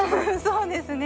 そうですね。